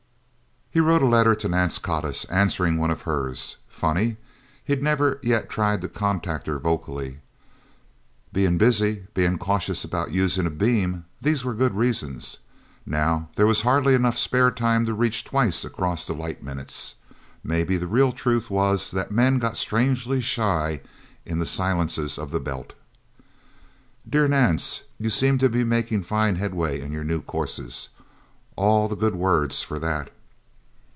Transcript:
He wrote a letter to Nance Codiss, answering one of hers funny, he'd never yet tried to contact her vocally. Being busy, being cautious about using a beam these were good reasons. Now there was hardly enough spare time to reach twice across the light minutes. Maybe the real truth was that men got strangely shy in the silences of the Belt. "Dear Nance: You seem to be making fine headway in your new courses. All the good words, for that..."